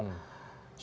cuman agak berat